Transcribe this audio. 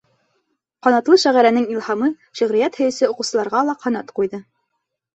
Ҡанатлы шағирәнең илһамы шиғриәт һөйөүсе уҡыусыларға ла ҡанат ҡуйҙы.